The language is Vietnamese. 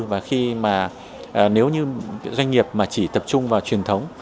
và khi mà nếu như doanh nghiệp mà chỉ tập trung vào truyền thống